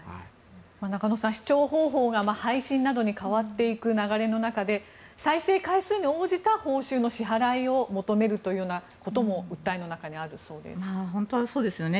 中野さん、視聴方法が配信などに変わっていく流れの中で再生回数に応じた報酬の支払いを求めるというようなことも本当はそうですよね。